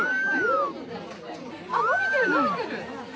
伸びてる、伸びてる！